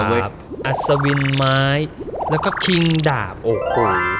ก้าวดาบอัสวินไม้แล้วก็คริงดาบโอเค